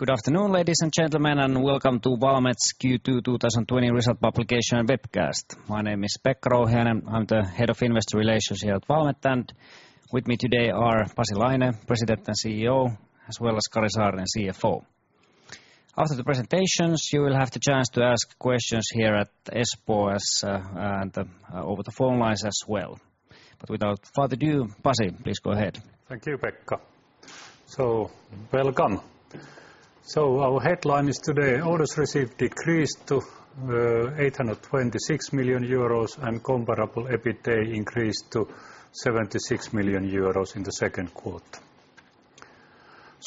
Good afternoon, ladies and gentlemen, and welcome to Valmet's Q2 2020 result publication webcast. My name is Pekka Rouhiainen. I'm the Head of Investor Relations here at Valmet, and with me today are Pasi Laine, President and CEO, as well as Kari Saarinen, CFO. After the presentations, you will have the chance to ask questions here at Espoo and over the phone lines as well. Without further ado, Pasi, please go ahead. Thank you, Pekka. Welcome. Our headline is today orders received decreased to 826 million euros and comparable EBITA increased to 76 million euros in the second quarter.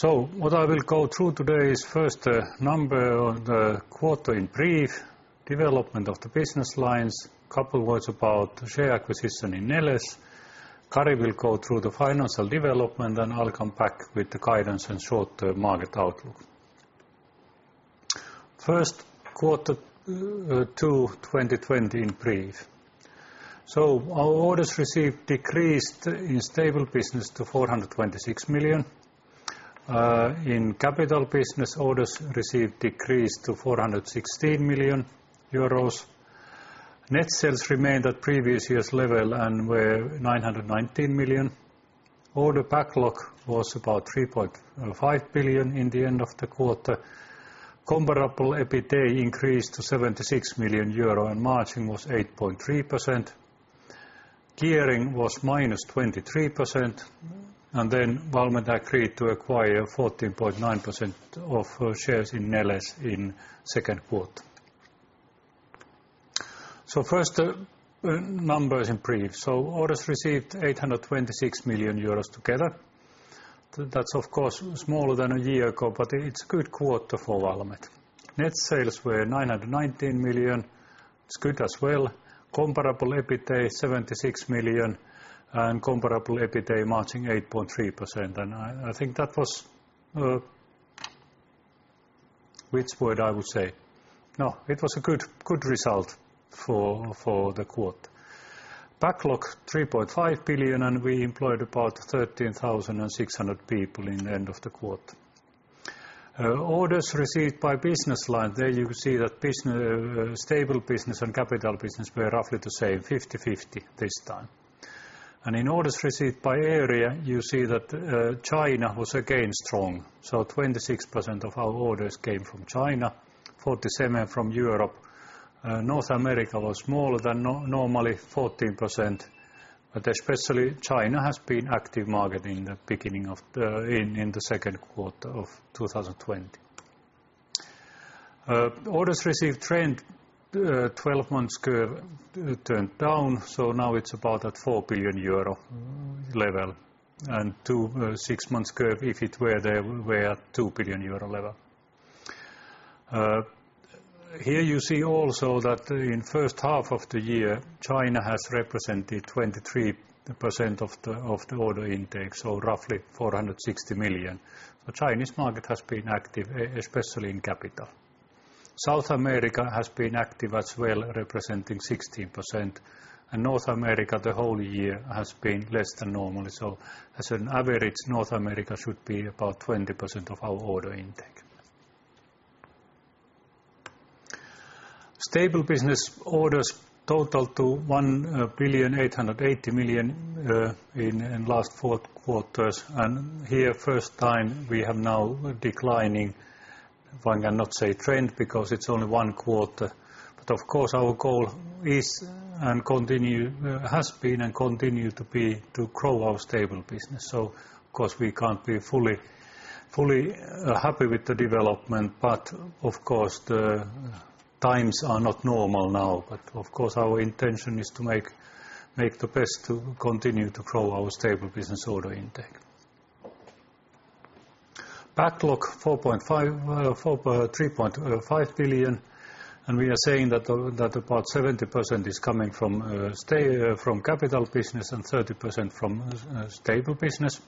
What I will go through today is first the number on the quarter in brief, development of the business lines, a couple words about share acquisition in Neles. Kari will go through the financial development, and I'll come back with the guidance and short-term market outlook. First, quarter two 2020 in brief. Our orders received decreased in stable business to 426 million. In capital business, orders received decreased to 416 million euros. Net sales remained at previous year's level and were 919 million. Order backlog was about 3.5 billion in the end of the quarter. Comparable EBITA increased to 76 million euro and margin was 8.3%. Gearing was -23%, and then Valmet agreed to acquire 14.9% of shares in Neles in second quarter. First, numbers in brief. Orders received 826 million euros together. That's of course smaller than a year ago, but it's a good quarter for Valmet. Net sales were 919 million. It's good as well. Comparable EBITA is 76 million and comparable EBITA margin 8.3%. I think that was Which word I would say? No, it was a good result for the quarter. Backlog 3.5 billion, and we employed about 13,600 people in the end of the quarter. Orders received by business line, there you see that stable business and capital business were roughly the same, 50/50 this time. In orders received by area, you see that China was again strong. 26% of our orders came from China, 47% from Europe. North America was smaller than normally, 14%, but especially China has been active market in the second quarter of 2020. Orders received trend, 12 months curve turned down. Now it's about 4 billion euro level, and six months curve, if it were there, we're at 2 billion euro level. Here you see also that in first half of the year, China has represented 23% of the order intake, so roughly 460 million. The Chinese market has been active, especially in capital. South America has been active as well, representing 16%, and North America the whole year has been less than normal. As an average, North America should be about 20% of our order intake. Stable business orders total to 1,880 million in last four quarters, and here first time we have now declining, if I cannot say trend because it's only one quarter. Of course our goal has been and continue to be to grow our stable business. Of course we can't be fully happy with the development, but of course the times are not normal now. Of course our intention is to make the best to continue to grow our stable business order intake. Backlog 3.5 billion, we are saying that about 70% is coming from capital business and 30% from stable business.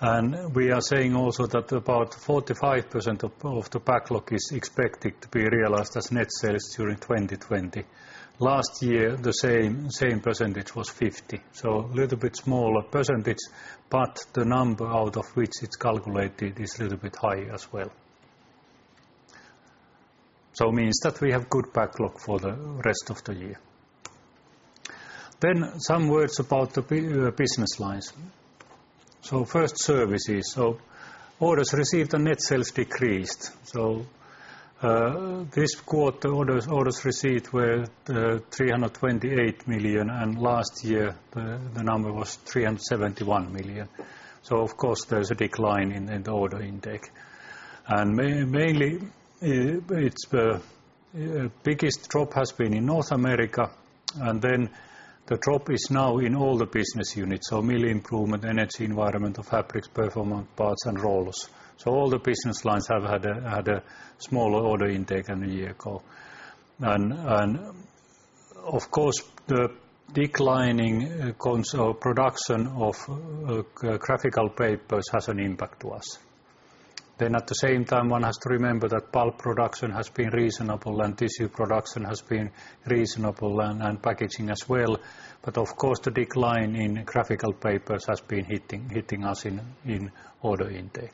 We are saying also that about 45% of the backlog is expected to be realized as net sales during 2020. Last year, the same % was 50%. A little bit smaller percentage, but the number out of which it's calculated is a little bit high as well. It means that we have good backlog for the rest of the year. Some words about the business lines. First services. Orders received and net sales decreased. This quarter orders received were 328 million, and last year the number was 371 million. Of course there's a decline in the order intake. Mainly its biggest drop has been in North America, the drop is now in all the business units, so mill improvement, energy environment or fabrics, performance parts and rollers. All the business lines have had a smaller order intake than a year ago. Of course the declining production of graphical papers has an impact to us. At the same time, one has to remember that pulp production has been reasonable and tissue production has been reasonable and packaging as well. Of course the decline in graphical papers has been hitting us in order intake.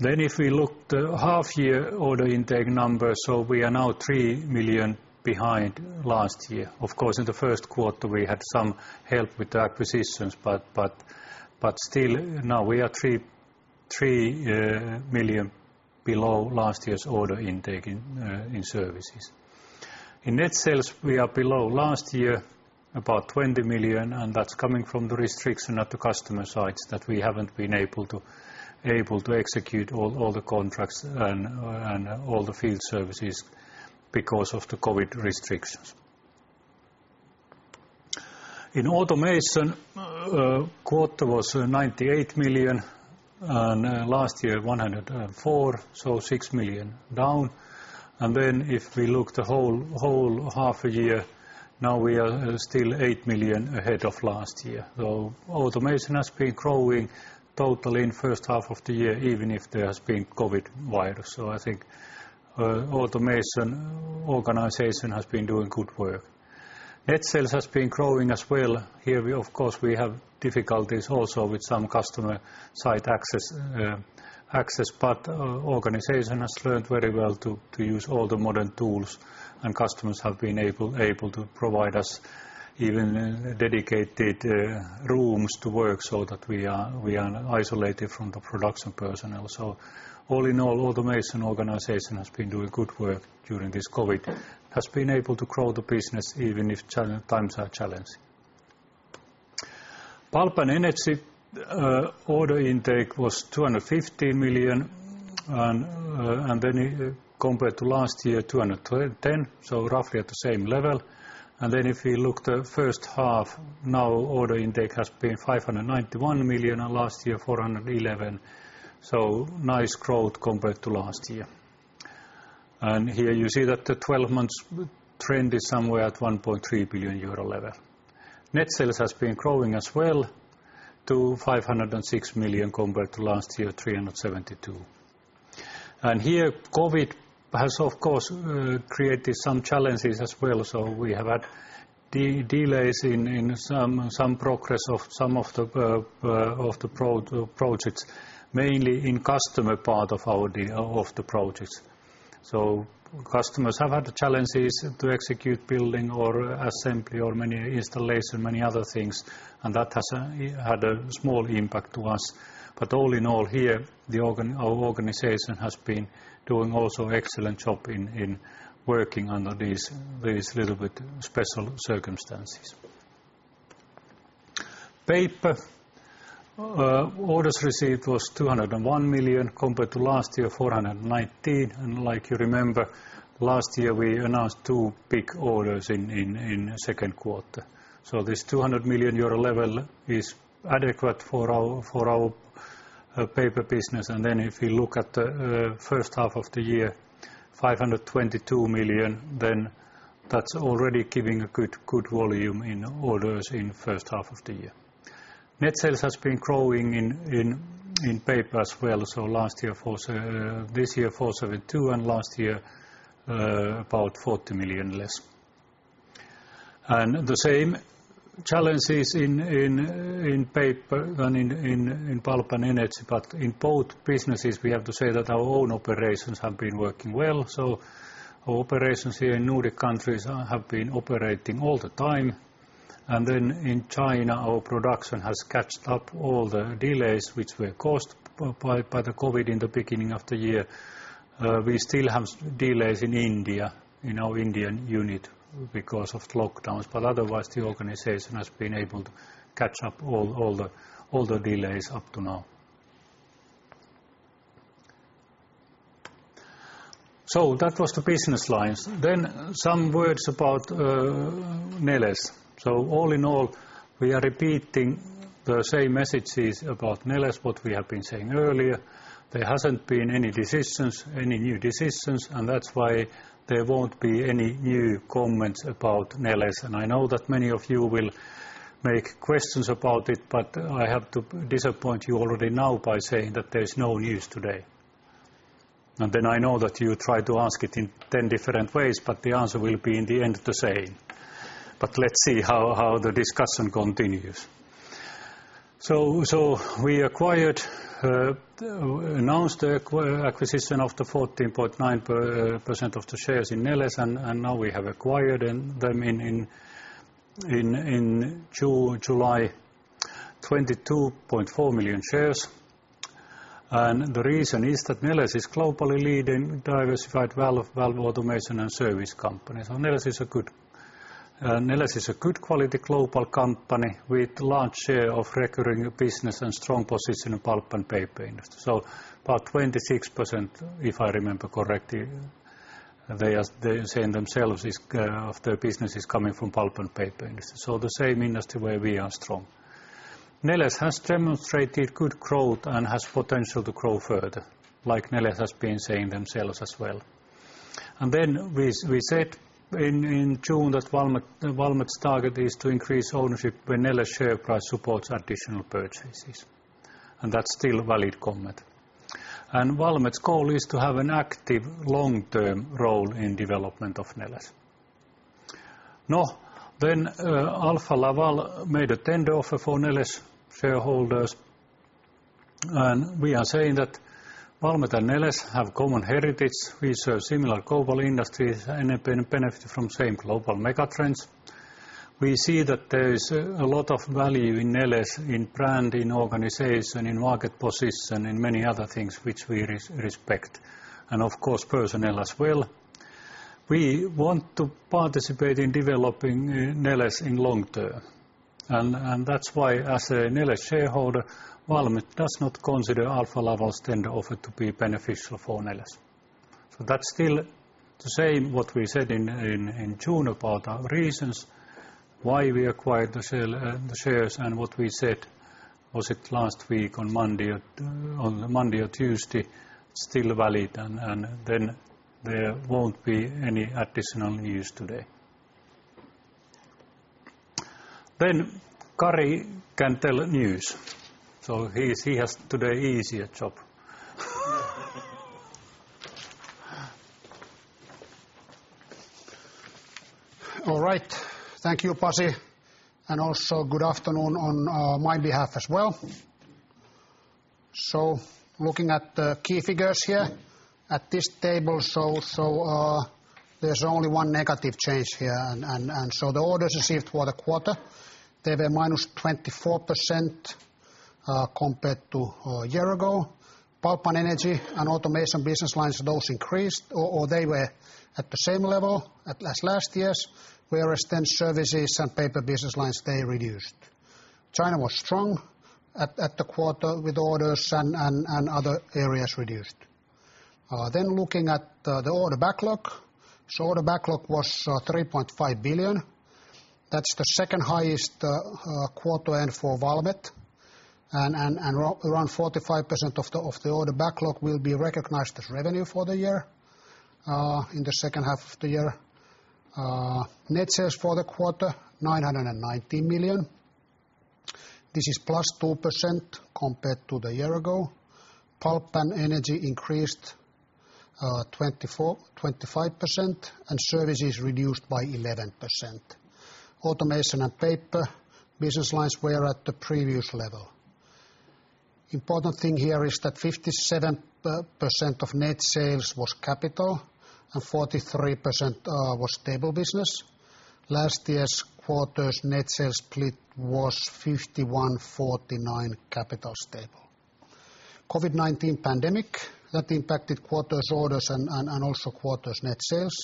If we look at the half-year order intake numbers, we are now 3 million behind last year. In the first quarter, we had some help with the acquisitions, but still, now we are 3 million below last year's order intake in services. In net sales, we are below last year about 20 million. That's coming from the restriction at the customer sites that we haven't been able to execute all the contracts and all the field services because of the COVID-19 restrictions. In automation, quarter was 98 million and last year 104 million, 6 million down. If we look the whole half a year, now we are still 8 million ahead of last year. Automation has been growing totally in first half of the year, even if there has been COVID-19 virus. I think automation organization has been doing good work. Net sales has been growing as well. Here, of course, we have difficulties also with some customer site access, but organization has learnt very well to use all the modern tools, and customers have been able to provide us even dedicated rooms to work so that we are isolated from the production personnel. All in all, automation organization has been doing good work during this COVID-19, has been able to grow the business even if times are challenging. Pulp and Energy order intake was 250 million, compared to last year, 210, roughly at the same level. If we look the first half, now order intake has been 591 million and last year 411. Nice growth compared to last year. Here you see that the 12 months trend is somewhere at 1.3 billion euro level. Net sales has been growing as well to 506 million compared to last year, 372. Here, COVID has, of course, created some challenges as well. We have had delays in some progress of some of the projects, mainly in customer part of the projects. Customers have had challenges to execute building or assembly or many installation, many other things, and that has had a small impact to us. All in all, here, our organization has been doing also excellent job in working under these little bit special circumstances. Paper orders received was 201 million compared to last year, 419 million. Like you remember, last year, we announced two big orders in second quarter. This 200 million euro level is adequate for our paper business. If we look at the first half of the year, 522 million, then that's already giving a good volume in orders in first half of the year. Net sales has been growing in paper as well. This year 472 and last year about 40 million less. The same challenges in Paper and in Pulp and Energy. In both businesses, we have to say that our own operations have been working well. Our operations here in Nordic countries have been operating all the time. In China, our production has catched up all the delays which were caused by the COVID-19 in the beginning of the year. We still have delays in India, in our Indian unit because of lockdowns, but otherwise, the organization has been able to catch up all the delays up to now. That was the business lines. Some words about Neles. All in all, we are repeating the same messages about Neles, what we have been saying earlier. There hasn't been any new decisions, that's why there won't be any new comments about Neles. I know that many of you will make questions about it, I have to disappoint you already now by saying that there's no news today. I know that you try to ask it in 10 different ways, the answer will be in the end the same. Let's see how the discussion continues. We announced the acquisition of the 14.9% of the shares in Neles, now we have acquired them in July 22.4 million shares. The reason is that Neles is globally leading diversified valve automation and service company. Neles is a good quality global company with large share of recurring business and strong position in pulp and paper industry. About 26%, if I remember correctly, they are saying themselves of their business is coming from pulp and paper industry. The same industry where we are strong. Neles has demonstrated good growth and has potential to grow further, like Neles has been saying themselves as well. We said in June that Valmet's target is to increase ownership when Neles share price supports additional purchases, and that's still valid comment. Valmet's goal is to have an active long-term role in development of Neles. Alfa Laval made a tender offer for Neles shareholders. We are saying that Valmet and Neles have common heritage. We serve similar global industries and benefit from same global mega trends. We see that there is a lot of value in Neles, in brand, in organization, in market position, in many other things which we respect, and of course, personnel as well. We want to participate in developing Neles in long-term. That's why as a Neles shareholder, Valmet does not consider Alfa Laval's tender offer to be beneficial for Neles. That's still the same what we said in June about our reasons why we acquired the shares, and what we said, was it last week on the Monday or Tuesday, still valid. There won't be any additional news today. Kari can tell news. He has today easier job. All right. Thank you, Pasi, and also good afternoon on my behalf as well. Looking at the key figures here at this table. The orders received for the quarter, they were minus 24% compared to a year ago. Pulp and Energy and Automation business lines, those increased, or they were at the same level as last year's, whereas Services and Paper business lines, they reduced. China was strong at the quarter with orders, and other areas reduced. Looking at the order backlog. Order backlog was 3.5 billion. That's the second highest quarter end for Valmet and around 45% of the order backlog will be recognized as revenue for the year, in the second half of the year. Net sales for the quarter, 990 million. This is +2% compared to the year ago. Pulp and Energy increased 25%. Services reduced by 11%. Automation and Paper business lines were at the previous level. Important thing here is that 57% of net sales was capital. 43% was stable business. Last year's quarter's net sales split was 51/49 capital/stable. COVID-19 pandemic, that impacted quarter's orders and also quarter's net sales,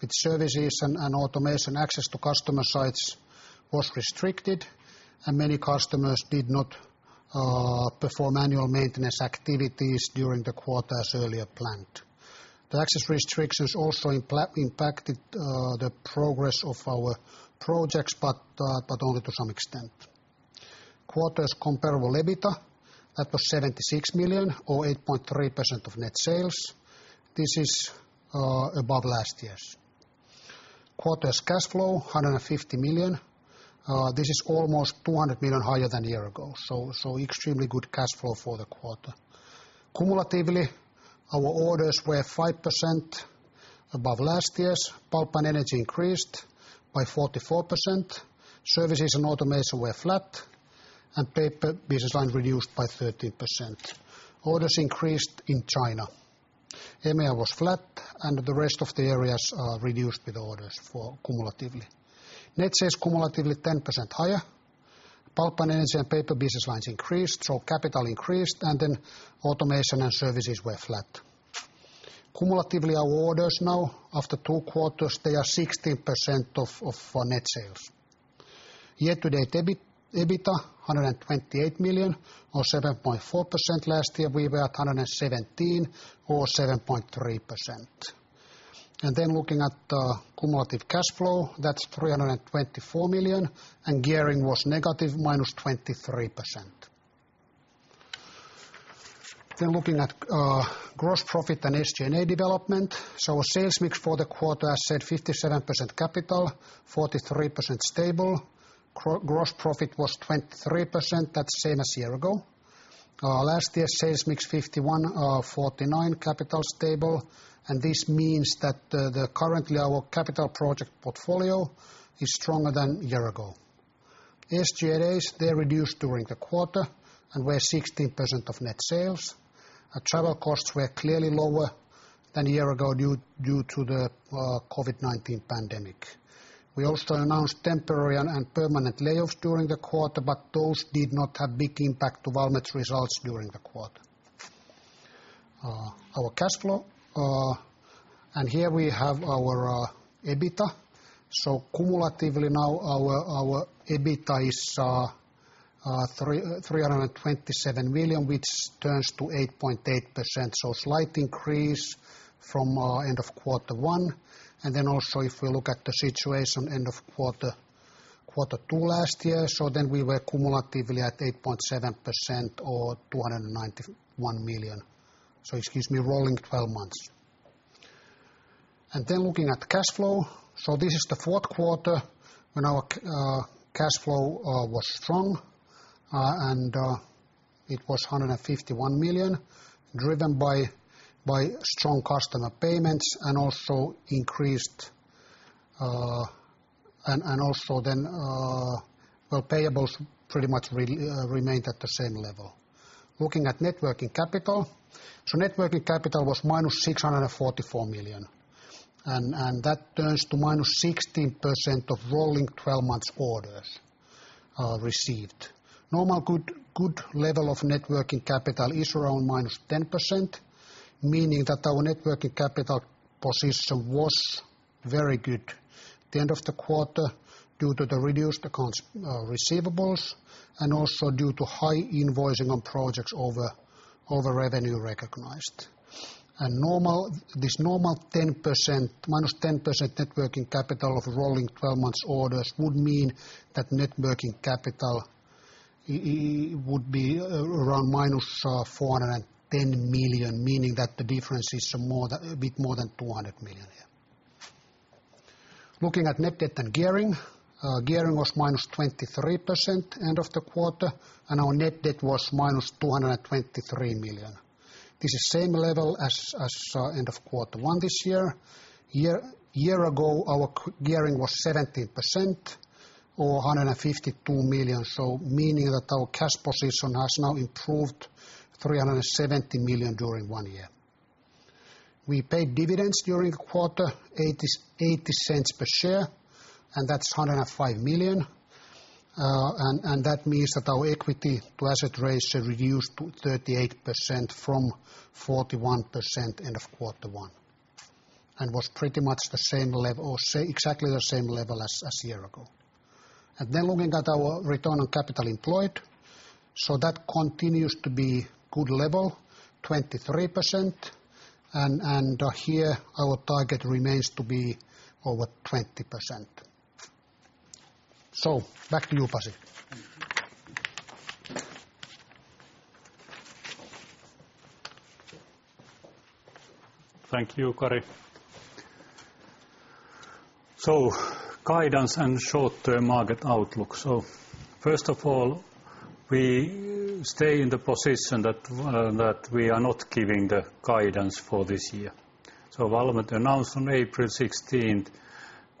with Services and Automation access to customer sites was restricted, and many customers did not perform annual maintenance activities during the quarter as earlier planned. The access restrictions also impacted the progress of our projects, only to some extent. Quarter's comparable EBITA, that was 76 million or 8.3% of net sales. This is above last year's. Quarter's cash flow, 150 million. This is almost 200 million higher than a year ago, extremely good cash flow for the quarter. Cumulatively, our orders were 5% above last year's. Pulp and Energy increased by 44%. Services and Automation were flat, and Paper business line reduced by 13%. Orders increased in China. EMEA was flat, and the rest of the areas are reduced with orders for cumulatively. Net sales cumulatively 10% higher. Pulp and Energy and Paper business lines increased, so capital increased, and then Automation and Services were flat. Cumulatively, our orders now after two quarters, they are 16% of net sales. Year-to-date EBITA, 128 million or 7.4%. Last year we were at 117 or 7.3%. Looking at the cumulative cash flow, that's EUR 324 million, and gearing was negative, minus 23%. Looking at gross profit and SG&A development. Sales mix for the quarter, as said, 57% capital, 43% stable. Gross profit was 23%. That's same as year ago. Last year's sales mix 51/49 capital/stable, and this means that currently our capital project portfolio is stronger than a year ago. SG&A, they reduced during the quarter and were 16% of net sales. Our travel costs were clearly lower than a year ago due to the COVID-19 pandemic. We also announced temporary and permanent layoffs during the quarter, those did not have big impact to Valmet's results during the quarter. Our cash flow. Here we have our EBITA. Cumulatively now our EBITA is 327 million, which turns to 8.8%, slight increase from end of quarter one. Also if we look at the situation end of quarter two last year, then we were cumulatively at 8.7% or 291 million. Excuse me, rolling 12 months. Looking at cash flow. This is the fourth quarter when our cash flow was strong. It was 151 million driven by strong customer payments and also then payables pretty much remained at the same level. Looking at net working capital. Net working capital was -644 million, and that turns to -16% of rolling 12 months orders received. Normal good level of net working capital is around -10%, meaning that our net working capital position was very good at the end of the quarter due to the reduced accounts receivables and also due to high invoicing on projects over revenue recognized. This normal -10% net working capital of rolling 12 months orders would mean that net working capital would be around -410 million, meaning that the difference is a bit more than 200 million here. Looking at net debt and gearing. Gearing was -23% end of the quarter, and our net debt was -223 million. This is same level as end of quarter one this year. Year ago, our gearing was 17% or 152 million, meaning that our cash position has now improved 370 million during one year. We paid dividends during the quarter, 0.80 per share, and that's 105 million. That means that our equity-to-asset ratio reduced to 38% from 41% end of quarter one, and was exactly the same level as a year ago. Looking at our return on capital employed. That continues to be good level, 23%. Here our target remains to be over 20%. Back to you, Pasi. Thank you, Kari. Guidance and short-term market outlook. First of all, we stay in the position that we are not giving the guidance for this year. Valmet announced on April 16th,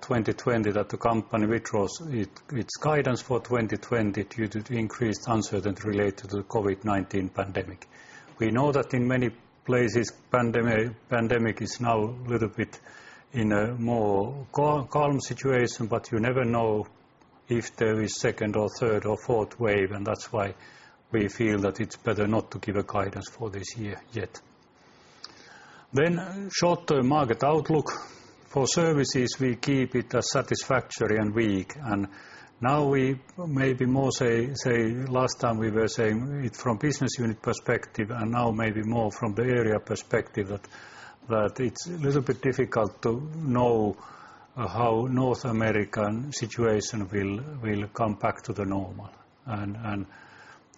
2020 that the company withdraws its guidance for 2020 due to the increased uncertainty related to the COVID-19 pandemic. We know that in many places, pandemic is now little bit in a more calm situation, but you never know if there is second or third or fourth wave, and that's why we feel that it's better not to give a guidance for this year yet. Short-term market outlook. For services, we keep it as satisfactory and weak, and now we maybe more say last time we were saying it from business unit perspective, and now maybe more from the area perspective that it's a little bit difficult to know how North American situation will come back to the normal.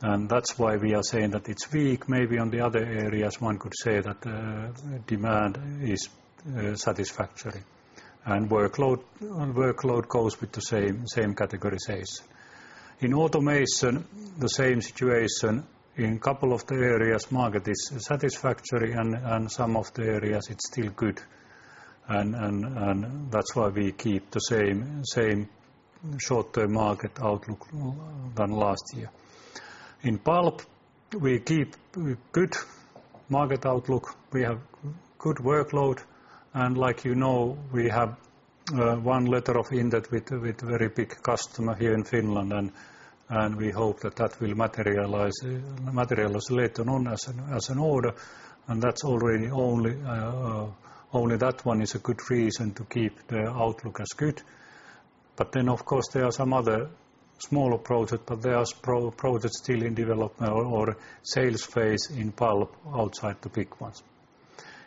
That's why we are saying that it's weak. Maybe on the other areas, one could say that the demand is satisfactory, and workload goes with the same category says. In automation, the same situation. In couple of the areas, market is satisfactory, and some of the areas it's still good, and that's why we keep the same short-term market outlook than last year. In Pulp, we keep good market outlook. We have good workload, and like you know, we have one letter of intent with very big customer here in Finland, and we hope that that will materialize later on as an order. Only that one is a good reason to keep the outlook as good. Then, of course, there are some other smaller project, but there are projects still in development or sales phase in Pulp outside the big ones.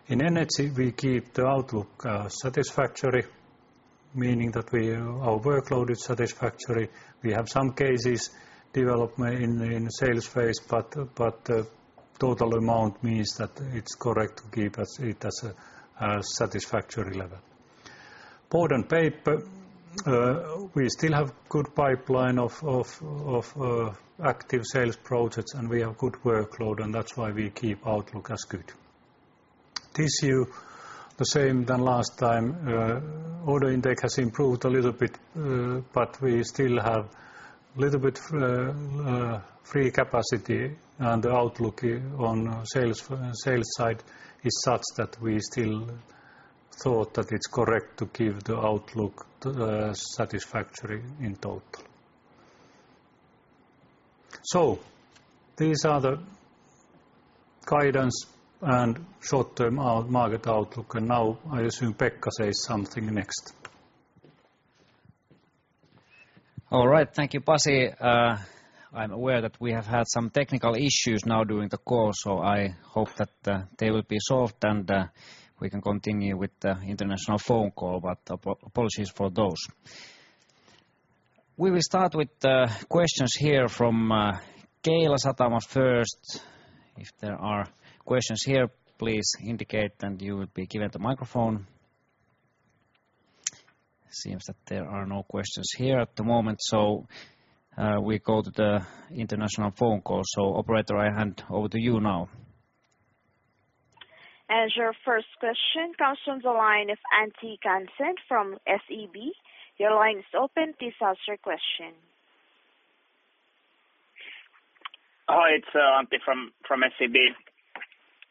In Energy, we keep the outlook satisfactory, meaning that our workload is satisfactory. We have some cases development in sales phase, but total amount means that it's correct to keep it as a satisfactory level. Board and paper, we still have good pipeline of active sales projects, and we have good workload, and that's why we keep outlook as good. Tissue, the same than last time. Order intake has improved a little bit, but we still have little bit free capacity, and the outlook on sales side is such that we still thought that it's correct to give the outlook satisfactory in total. These are the guidance and short-term market outlook. Now I assume Pekka says something next. All right. Thank you, Pasi. I'm aware that we have had some technical issues now during the call. I hope that they will be solved and we can continue with the international phone call. Apologies for those. We will start with the questions here from Keilasatama first. If there are questions here, please indicate and you will be given the microphone Seems that there are no questions here at the moment, so we go to the international phone call. Operator, I hand over to you now. Your first question comes from the line of Antti Kansanen from SEB. Your line is open. Please ask your question. Hi, it's Antti from SEB.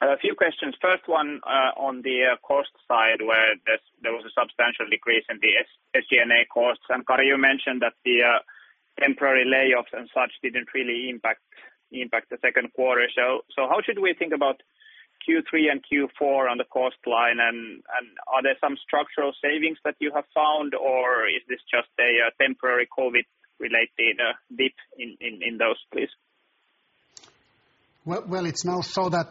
A few questions. First one on the cost side, where there was a substantial decrease in the SG&A costs. Kari, you mentioned that the temporary layoffs and such didn't really impact the second quarter. How should we think about Q3 and Q4 on the cost line? Are there some structural savings that you have found, or is this just a temporary COVID-related dip in those, please? It's now so that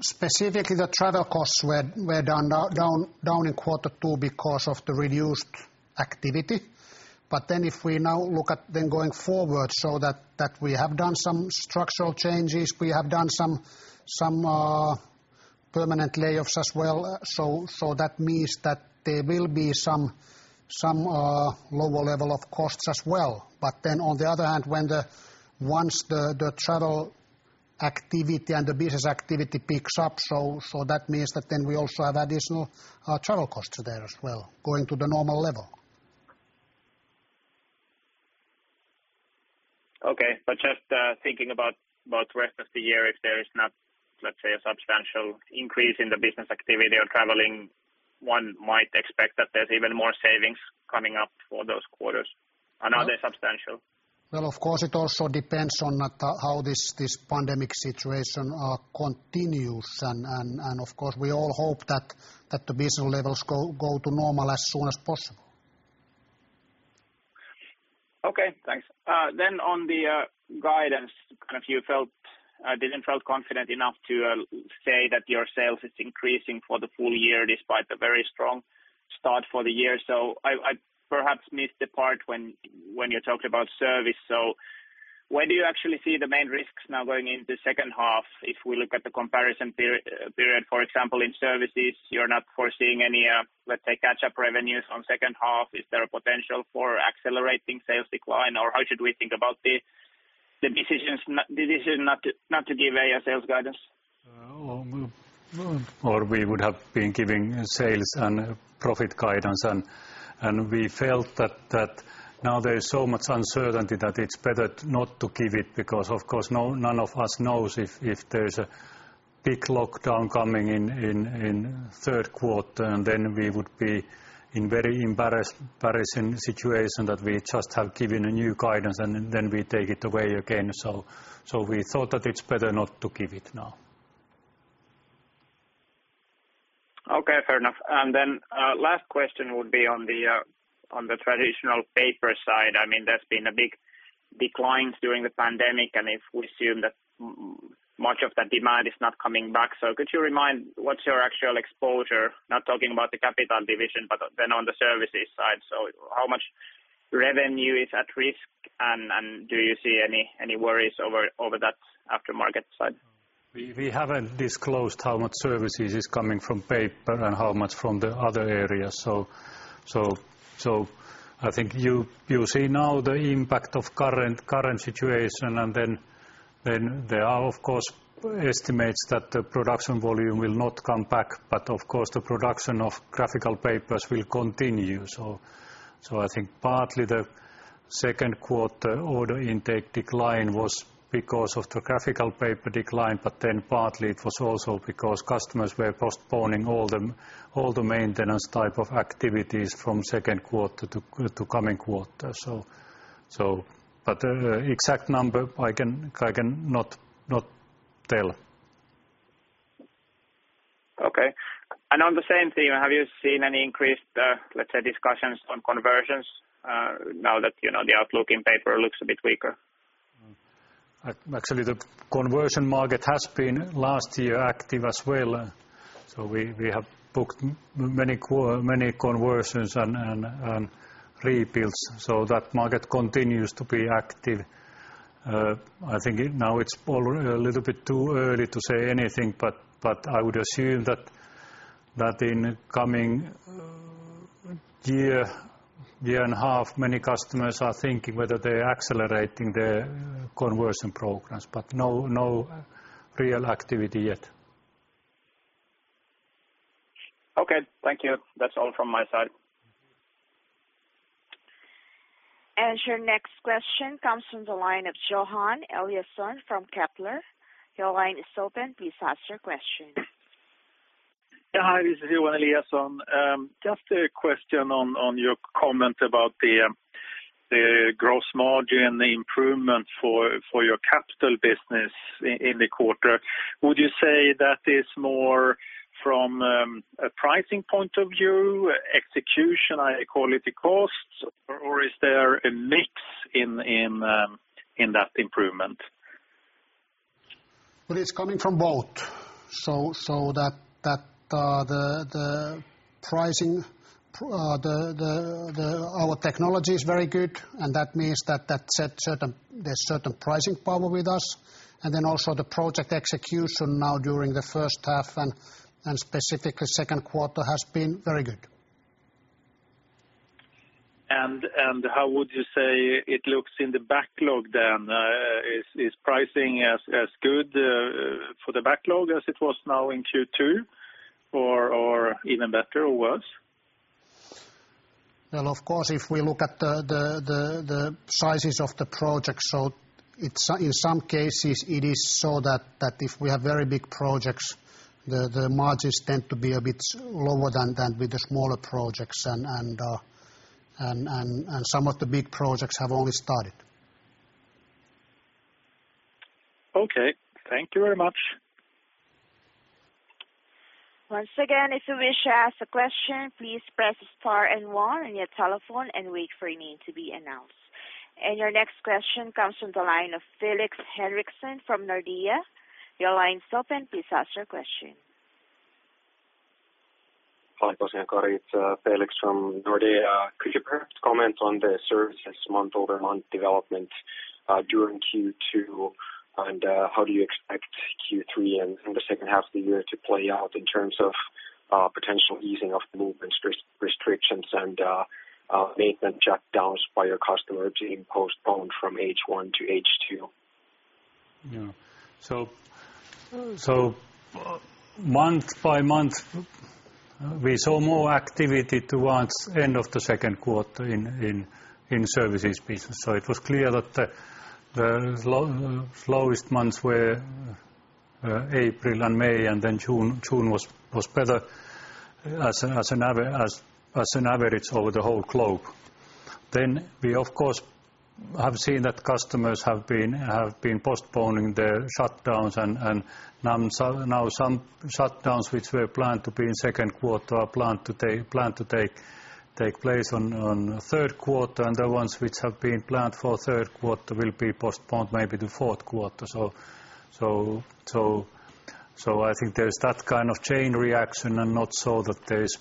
specifically the travel costs were down in quarter two because of the reduced activity. If we now look at then going forward, so that we have done some structural changes, we have done some permanent layoffs as well. That means that there will be some lower level of costs as well. On the other hand, once the travel activity and the business activity picks up, so that means that then we also have additional travel costs there as well, going to the normal level. Okay, just thinking about rest of the year, if there is not, let's say, a substantial increase in the business activity or traveling, one might expect that there's even more savings coming up for those quarters. Are they substantial? Well, of course, it also depends on how this pandemic situation continues. Of course, we all hope that the business levels go to normal as soon as possible. Okay, thanks. On the guidance kind of you didn't felt confident enough to say that your sales is increasing for the full year despite the very strong start for the year. I perhaps missed the part when you talked about service. Where do you actually see the main risks now going into second half? If we look at the comparison period, for example, in services, you're not foreseeing any, let's say, catch-up revenues on second half. Is there a potential for accelerating sales decline, or how should we think about the decision not to give a sales guidance? We would have been giving sales and profit guidance, and we felt that now there is so much uncertainty that it's better not to give it, because of course, none of us knows if there's a big lockdown coming in third quarter, and then we would be in very embarrassing situation that we just have given a new guidance and then we take it away again. We thought that it's better not to give it now. Okay, fair enough. Last question would be on the traditional paper side. There's been a big decline during the pandemic, and if we assume that much of that demand is not coming back. Could you remind what's your actual exposure, not talking about the capital division, but then on the services side. How much revenue is at risk, and do you see any worries over that aftermarket side? We haven't disclosed how much services is coming from paper and how much from the other areas. I think you see now the impact of current situation, and then there are, of course, estimates that the production volume will not come back. Of course, the production of graphical papers will continue. I think partly the second quarter order intake decline was because of the graphical paper decline, but then partly it was also because customers were postponing all the maintenance type of activities from second quarter to coming quarter. Exact number I cannot tell. Okay. On the same theme, have you seen any increased, let's say, discussions on conversions now that the outlook in paper looks a bit weaker? Actually, the conversion market has been last year active as well. We have booked many conversions and rebuilds so that market continues to be active. I think now it is a little bit too early to say anything, but I would assume that in coming year and a half, many customers are thinking whether they are accelerating their conversion programs, but no real activity yet. Okay. Thank you. That's all from my side. Your next question comes from the line of Johan Eliason from Kepler. Your line is open. Please ask your question. Yeah. Hi, this is Johan Eliason. Just a question on your comment about the gross margin improvement for your capital business in the quarter. Would you say that is more from a pricing point of view, execution, quality costs, or is there a mix in that improvement? It's coming from both. The pricing, Our technology is very good, and that means that there's certain pricing power with us. Also the project execution now during the first half and specifically second quarter has been very good. How would you say it looks in the backlog then? Is pricing as good for the backlog as it was now in Q2, or even better or worse? Well, of course, if we look at the sizes of the projects, so in some cases, it is so that if we have very big projects, the margins tend to be a bit lower than with the smaller projects, and some of the big projects have only started. Okay. Thank you very much. Once again, if you wish to ask a question, please press star and one on your telephone and wait for your name to be announced. Your next question comes from the line of Felix Henriksson from Nordea. Your line's open. Please ask your question. Hi, good morning, Kari. It's Felix from Nordea. Could you perhaps comment on the services month-over-month development during Q2? How do you expect Q3 and the second half of the year to play out in terms of potential easing of movement restrictions and maintenance shutdowns by your customer being postponed from H1 to H2? Month by month, we saw more activity towards end of the second quarter in services business. It was clear that the slowest months were April and May, June was better as an average over the whole globe. We, of course, have seen that customers have been postponing their shutdowns. Now some shutdowns which were planned to be in second quarter are planned to take place on third quarter, and the ones which have been planned for third quarter will be postponed maybe to fourth quarter. I think there's that kind of chain reaction and not so that there is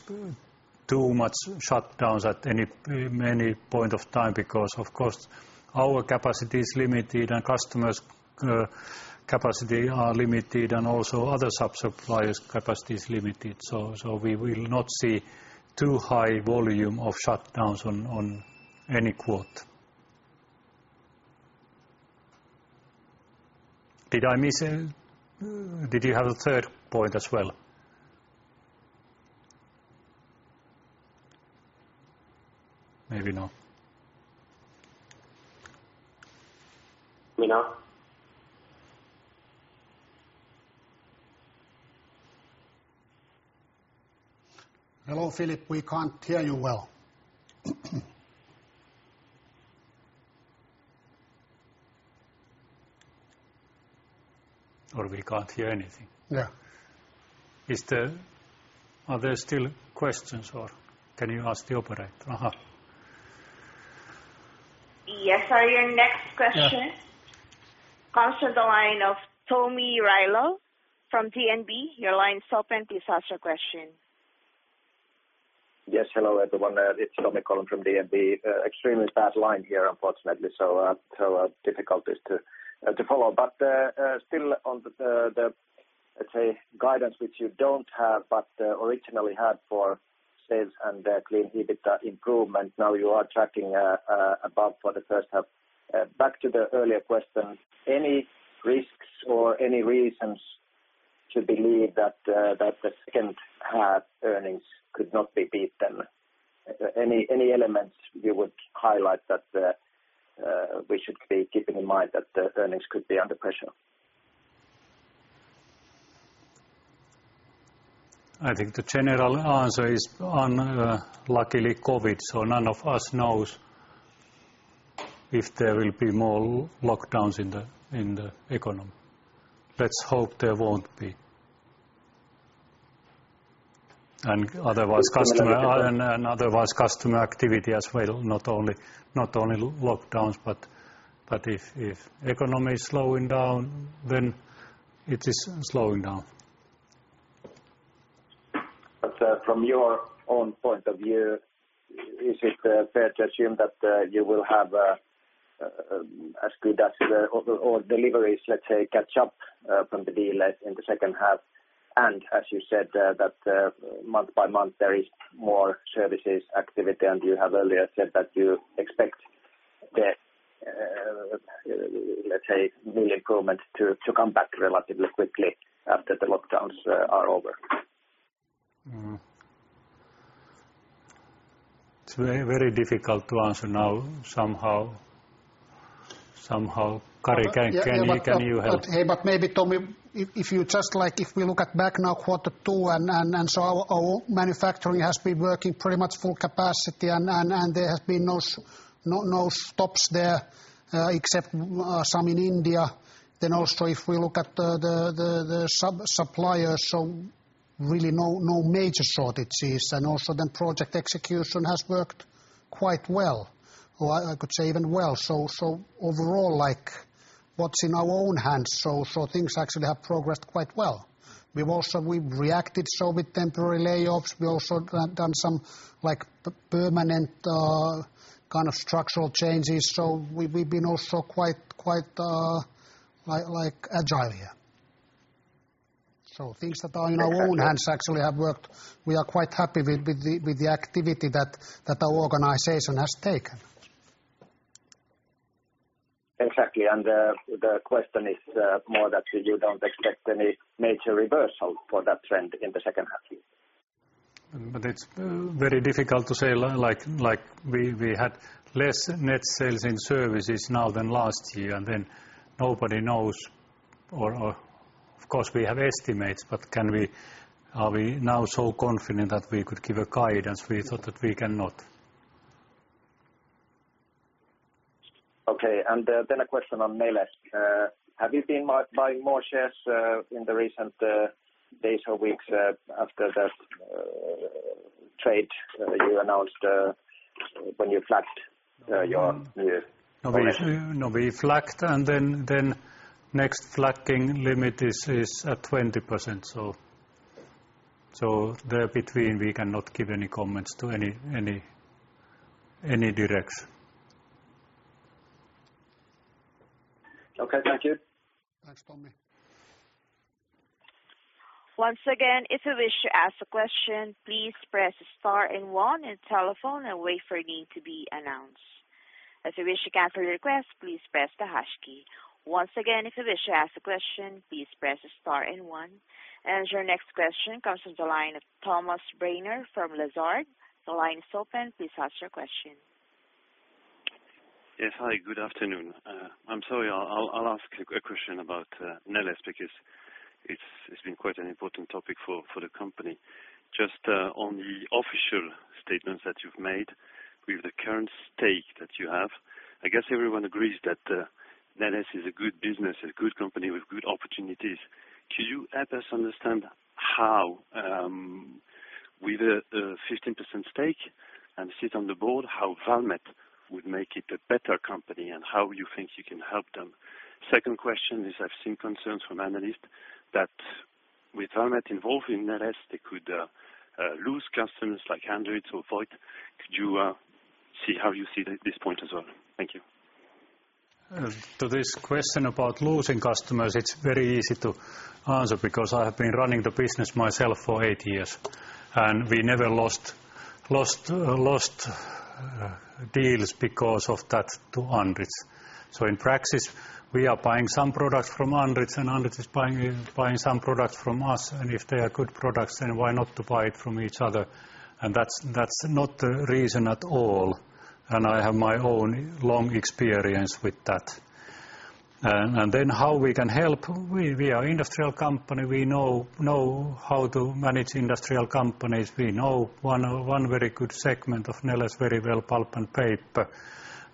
too much shutdowns at any point of time, because, of course, our capacity is limited and customers' capacity are limited, and also other sub-suppliers' capacity is limited. We will not see too high volume of shutdowns on any quarter. Did I miss it? Did you have a third point as well? Maybe no. Me now? Hello, Felix. We can't hear you well. We can't hear anything. Yeah. Are there still questions, or can you ask the operator? Yes, sir. Your next question. Yeah comes to the line of Tomi Railo from DNB. Your line's open. Please ask your question. Yes. Hello, everyone. It's Tomi calling from DNB. Extremely bad line here, unfortunately, so difficulties to follow. Still on the, let's say, guidance which you don't have, but originally had for sales and clean EBITA improvement. Now you are tracking above for the first half. Back to the earlier question, any risks or any reasons to believe that the second half earnings could not be beaten? Any elements you would highlight that we should be keeping in mind that the earnings could be under pressure? I think the general answer is on luckily COVID-19, so none of us knows if there will be more lockdowns in the economy. Let's hope there won't be. Otherwise, customer activity as well, not only lockdowns, but if economy is slowing down, then it is slowing down. From your own point of view, is it fair to assume that you will have as good as or deliveries, let's say, catch up from the delays in the second half? As you said that month by month, there is more services activity, and you have earlier said that you expect the, let's say, new improvements to come back relatively quickly after the lockdowns are over. It's very difficult to answer now somehow. Kari, can you help? Tomi, if we look at back now quarter two, our manufacturing has been working pretty much full capacity, and there have been no stops there except some in India. If we look at the sub-suppliers, really no major shortages. Project execution has worked quite well, or I could say even well. What's in our own hands, things actually have progressed quite well. We've reacted with temporary layoffs. We've also done some permanent kind of structural changes. We've been also quite agile here. Things that are in our own hands actually have worked. We are quite happy with the activity that our organization has taken. Exactly. The question is more that you don't expect any major reversal for that trend in the second half year? It's very difficult to say. We had less net sales in services now than last year. Nobody knows or of course we have estimates, but are we now so confident that we could give a guidance? We thought that we cannot. Okay. Then a question on Neles. Have you been buying more shares in the recent days or weeks after that trade you announced when you flagged your- No, we flagged, and then next flagging limit is at 20%. There between, we cannot give any comments to any directs. Okay, thank you. Thanks, Tomi. Once again, if you wish to ask a question, please press star and one on telephone and wait for your name to be announced. If you wish to cancel your request, please press the hash key. Once again, if you wish to ask a question, please press star and one. Your next question comes from the line of Thomas Brenier from Lazard. The line is open. Please ask your question. Yes, hi. Good afternoon. I'm sorry. I'll ask a question about Neles because it's been quite an important topic for the company. Just on the official statements that you've made with the current stake that you have, I guess everyone agrees that Neles is a good business, a good company with good opportunities. Could you help us understand how, with a 15% stake and a seat on the board, how Valmet would make it a better company, and how you think you can help them? Second question is, I've seen concerns from analysts that with Valmet involved in Neles, they could lose customers like Andritz or Voith. Could you see how you see this point as well? Thank you. To this question about losing customers, it's very easy to answer because I have been running the business myself for eight years, and we never lost deals because of that to Andritz. In practice, we are buying some products from Andritz, and Andritz is buying some products from us, and if they are good products, then why not to buy it from each other? That's not the reason at all. I have my own long experience with that. How we can help? We are an industrial company. We know how to manage industrial companies. We know one very good segment of Neles very well, pulp and paper.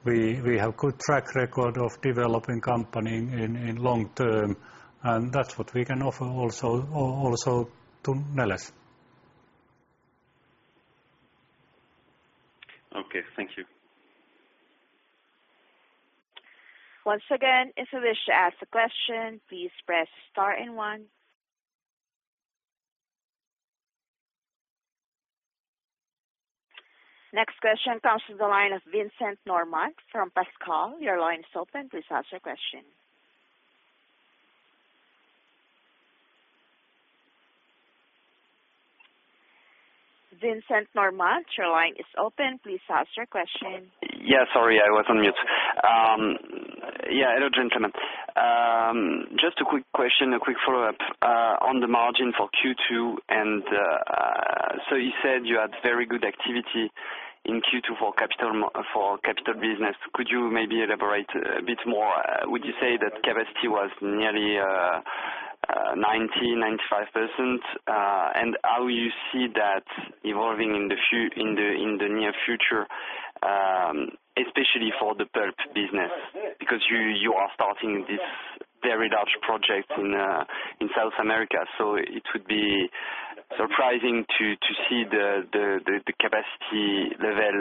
We have good track record of developing company in long term, and that's what we can offer also to Neles. Okay, thank you. Once again, if you wish to ask a question, please press star and one. Next question comes from the line of Vincent Normand from Pascale. Your line is open. Please ask your question. Vincent Normand, your line is open. Please ask your question. Yeah, sorry, I was on mute. Yeah. Hello, gentlemen. Just a quick question, a quick follow-up. On the margin for Q2, you said you had very good activity in Q2 for capital business. Could you maybe elaborate a bit more? Would you say that capacity was nearly 90%-95%? How you see that evolving in the near future, especially for the pulp business? Because you are starting this very large project in South America, so it would be surprising to see the capacity level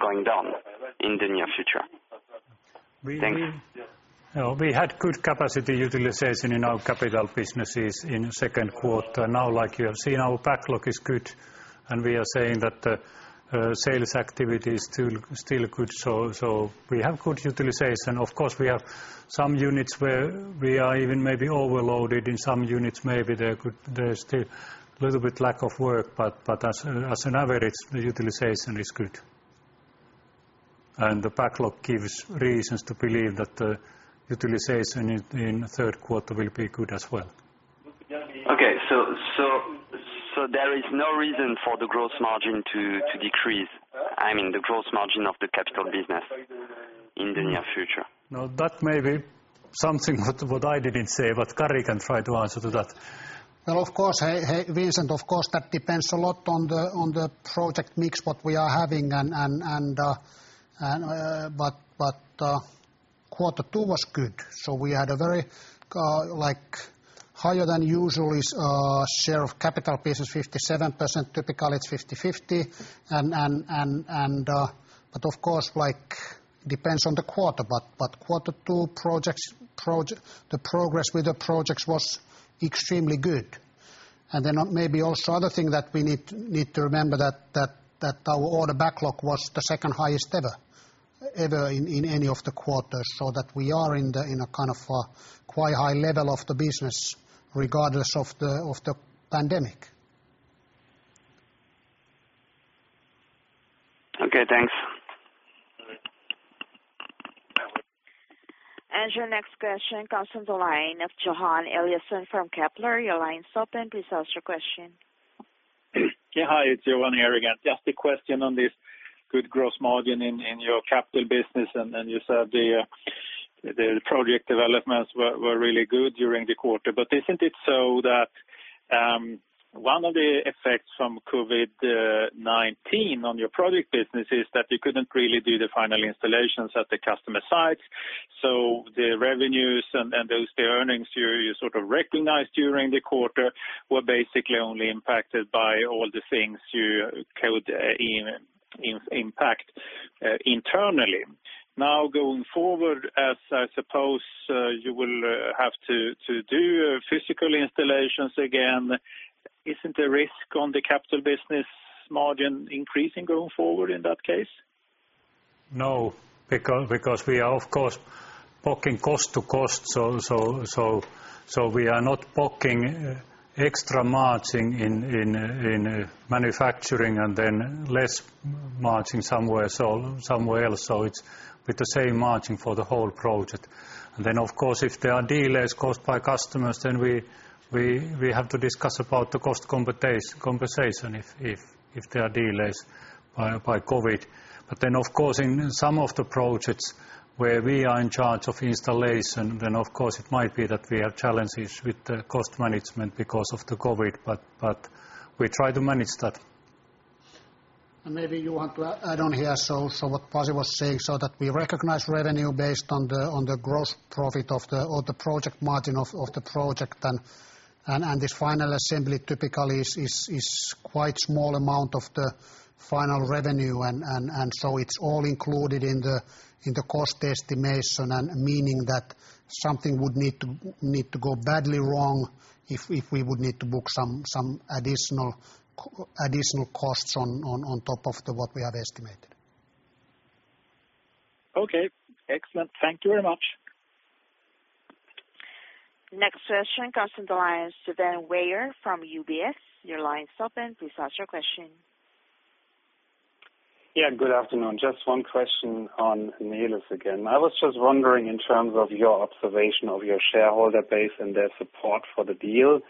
going down in the near future. Thanks. We had good capacity utilization in our capital businesses in second quarter. Like you have seen, our backlog is good, and we are saying that the sales activity is still good. We have good utilization. Of course, we have some units where we are even maybe overloaded. In some units, maybe there's still little bit lack of work, but as an average, the utilization is good. The backlog gives reasons to believe that the utilization in third quarter will be good as well. Okay. There is no reason for the gross margin to decrease, I mean the gross margin of the capital business in the near future? No. That may be something that I didn't say, but Kari can try to answer to that. Of course, Vincent, that depends a lot on the project mix what we are having. Quarter two was good. We had a very higher than usual share of capital business, 57%. Typically, it's 50/50. Of course, it depends on the quarter. Quarter two, the progress with the projects was extremely good. Maybe also other thing that we need to remember that our order backlog was the second highest ever in any of the quarters, so that we are in a kind of quite high level of the business regardless of the pandemic. Okay, thanks. Your next question comes from the line of Johan Eliason from Kepler. Your line's open. Please ask your question. Yeah. Hi, it's Johan here again. Just a question on this good gross margin in your capital business, and you said the project developments were really good during the quarter. Isn't it so that one of the effects from COVID-19 on your project business is that you couldn't really do the final installations at the customer sites, so the revenues and those earnings you sort of recognized during the quarter were basically only impacted by all the things you could impact internally. Now, going forward, as I suppose you will have to do physical installations again, isn't the risk on the capital business margin increasing going forward in that case? No, because we are, of course, booking cost-to-cost. We are not booking extra margin in manufacturing and then less margin somewhere else. It's with the same margin for the whole project. Of course, if there are delays caused by customers, then we have to discuss about the cost compensation if there are delays by COVID. Of course, in some of the projects where we are in charge of installation, then of course it might be that we have challenges with the cost management because of the COVID, but we try to manage that. Maybe you want to add on here also what Pasi was saying, so that we recognize revenue based on the gross profit or the project margin of the project, and this final assembly typically is quite small amount of the final revenue. So it's all included in the cost estimation and meaning that something would need to go badly wrong if we would need to book some additional costs on top of what we have estimated. Okay, excellent. Thank you very much. Next question comes from the line, Sven Weier from UBS. Your line's open. Please ask your question. Good afternoon. Just one question on Neles again. I was just wondering in terms of your observation of your shareholder base and their support for the deal.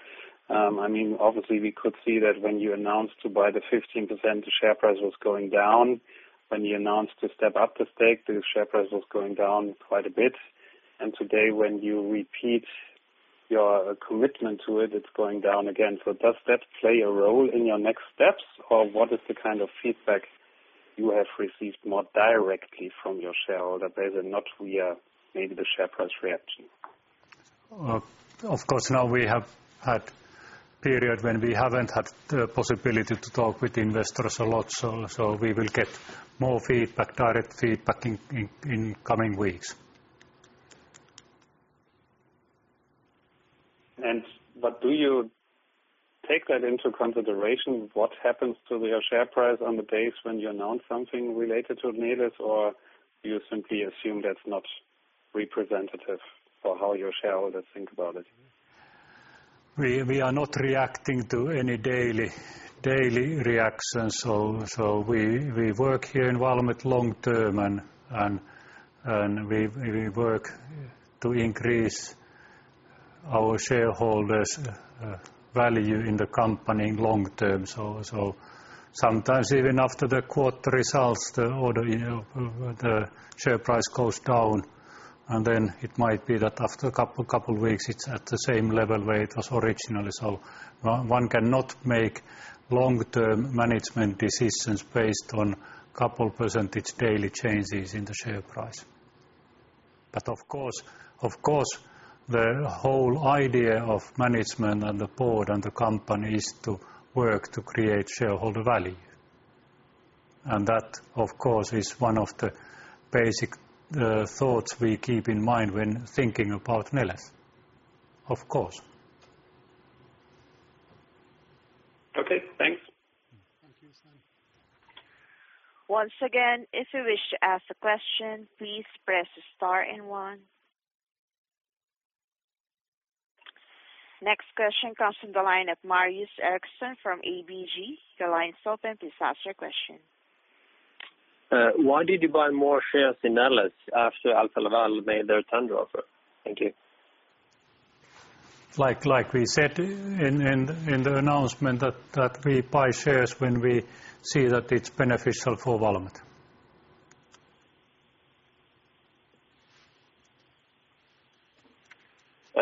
We could see that when you announced to buy the 15%, the share price was going down. When you announced to step up the stake, the share price was going down quite a bit. Today, when you repeat your commitment to it's going down again. Does that play a role in your next steps, or what is the kind of feedback you have received more directly from your shareholder base and not via maybe the share price reaction? Of course, now we have had period when we haven't had the possibility to talk with investors a lot, so we will get more direct feedback in coming weeks. Do you take that into consideration what happens to your share price on the days when you announce something related to Neles, or you simply assume that's not representative for how your shareholders think about it? We are not reacting to any daily reactions. We work here in Valmet long-term, and we work to increase our shareholders' value in the company long-term. Sometimes, even after the quarter results, the share price goes down, and then it might be that after a couple of weeks, it's at the same level where it was originally. One cannot make long-term management decisions based on couple % daily changes in the share price. Of course, the whole idea of management and the board and the company is to work to create shareholder value. That, of course, is one of the basic thoughts we keep in mind when thinking about Neles. Of course. Okay, thanks. Once again, if you wish to ask a question, please press star and one. Next question comes from the line of Marius Eriksen from ABG. Your line's open. Please ask your question. Why did you buy more shares in Neles after Alfa Laval made their tender offer? Thank you. Like we said in the announcement, that we buy shares when we see that it's beneficial for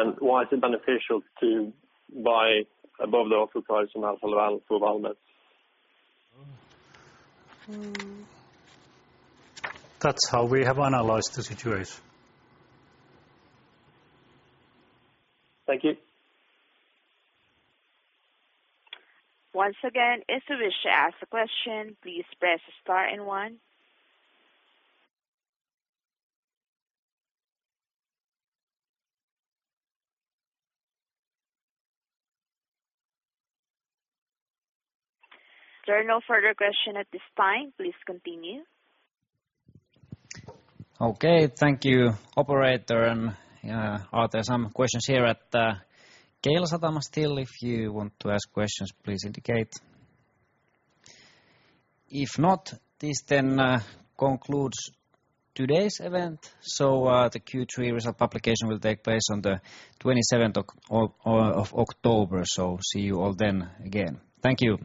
Valmet. Why is it beneficial to buy above the offer price from Alfa Laval for Valmet? That's how we have analyzed the situation. Thank you. Once again, if you wish to ask a question, please press star and one. There are no further question at this time. Please continue. Okay. Thank you, operator. Are there some questions here at Keilasatama still? If you want to ask questions, please indicate. If not, this then concludes today's event. The Q3 result publication will take place on the 27th of October. See you all then again. Thank you.